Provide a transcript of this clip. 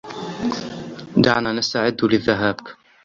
دعنا نستعد للذهاب.